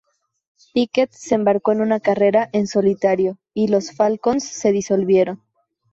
Pickett se embarcó en una carrera en solitario y los Falcons se disolvieron.